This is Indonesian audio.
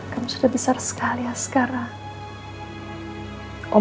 kamu sudah besar sekali yang sekarang